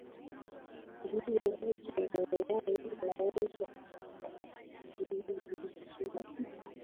iliyobaki duniani inaweza kuwa na miti hii mikubwa